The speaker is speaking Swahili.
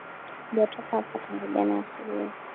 Sijatoka hapa tangu jana asubuhi